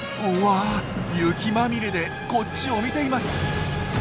うわ雪まみれでこっちを見ています。